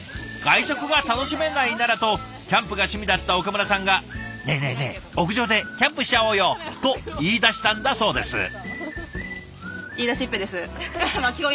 外食が楽しめないならとキャンプが趣味だった岡村さんが「ねえねえねえ屋上でキャンプしちゃおうよ」と言いだしたんだそうです。